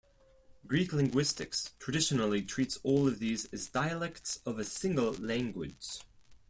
Greek linguistics traditionally treats all of these as dialects of a single language.